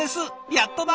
やっとだ！